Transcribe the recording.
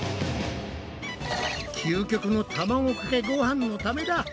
究極の卵かけごはんのためだ！